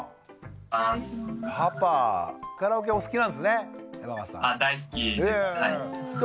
パパカラオケお好きなんですね？